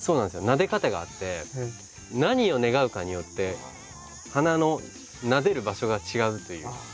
なで方があって何を願うかによって鼻のなでる場所が違うという。